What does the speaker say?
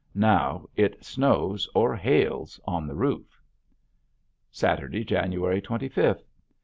Now it snows or hails on the roof! Saturday, January twenty fifth.